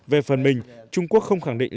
về phần mình trung quốc không khẳng định